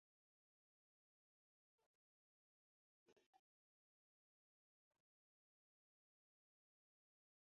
Kagame Monusco wanajua kuhusu waasi kuwa ndani ya jeshi la Jamuhuri ya Demokrasia ya Kongo